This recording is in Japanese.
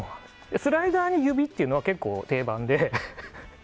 スライドの指っていうのは結構、定番で。